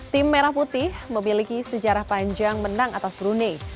tim merah putih memiliki sejarah panjang menang atas brunei